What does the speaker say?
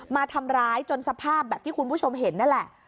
มาทำร้ายจนสภาพแบบที่คุณผู้ชมเห็นนั่นแหละ